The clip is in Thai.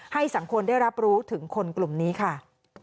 ให้สังคมได้รับรู้ถึงคนกลุ่มนี้ค่ะ